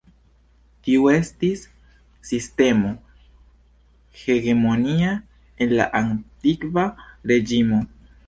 Tiu estis sistemo hegemonia en la Antikva Reĝimo.